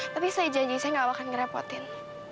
tapi saya janji saya gak akan ngerepotin